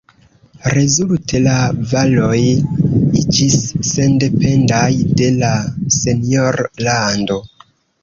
Rezulte, la valoj iĝis sendependaj de la senjor-lando.